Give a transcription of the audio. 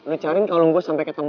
lo cariin kalung gue sampai ketemu